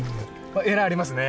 エラありますね。